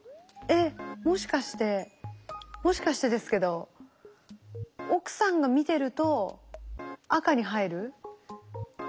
えっもしかしてもしかしてですけど奥さんが見てると赤に入る。